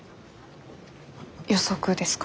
予測ですか？